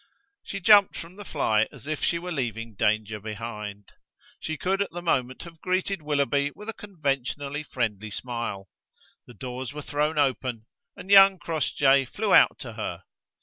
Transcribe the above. She jumped from the fly as if she were leaving danger behind. She could at the moment have greeted Willoughby with a conventionally friendly smile. The doors were thrown open and young Crossjay flew out to her.